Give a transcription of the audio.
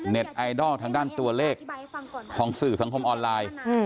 ไอดอลทางด้านตัวเลขของสื่อสังคมออนไลน์